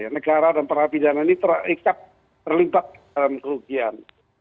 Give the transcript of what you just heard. negara dan perabdana ini terlibat dalam kerugian